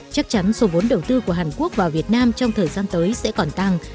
chắc chắn số vốn đầu tư của hàn quốc vào việt nam trong thời gian tới sẽ còn tăng